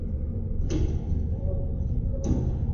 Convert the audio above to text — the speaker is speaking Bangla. আমার আর তোমার সাথে দেখা হওয়ার কথা না।